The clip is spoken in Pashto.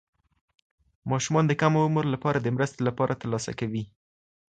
ماشومان د کم عمر لپاره د مرستې لپاره ترلاسه کوي.